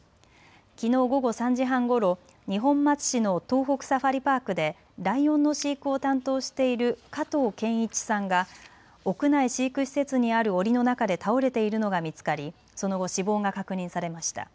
きのう午後３時半ごろ二本松市の東北サファリパークでライオンの飼育を担当している加藤健一さんが屋内飼育施設にあるおりの中で倒れているのが見つかり、その後、死亡が確認されました。